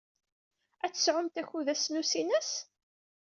Ad tesɛumt akud ass n usinas?